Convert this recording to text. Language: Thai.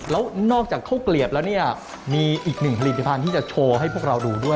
แล้วนอกจากข้าวเกลียบแล้วเนี่ยมีอีกหนึ่งผลิตภัณฑ์ที่จะโชว์ให้พวกเราดูด้วย